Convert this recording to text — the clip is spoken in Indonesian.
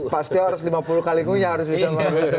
pasti tahu harus lima puluh kali punya harus bisa